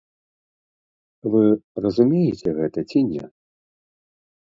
Вы разумееце гэта ці не?